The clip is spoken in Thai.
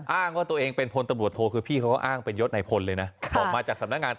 อ้างว่าตัวเองเป็นพนประบูรณ์โทคน